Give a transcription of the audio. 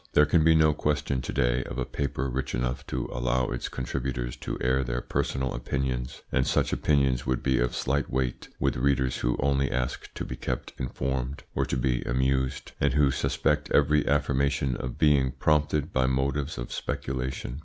There can be no question to day of a paper rich enough to allow its contributors to air their personal opinions, and such opinions would be of slight weight with readers who only ask to be kept informed or to be amused, and who suspect every affirmation of being prompted by motives of speculation.